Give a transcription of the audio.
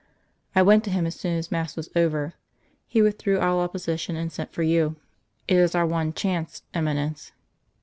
"I went to him as soon as mass was over. He withdrew all opposition, and sent for you. It is our one chance, Eminence."